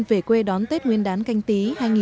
về quê đón tết nguyên đán canh tí